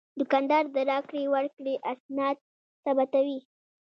دوکاندار د راکړې ورکړې اسناد ثبتوي.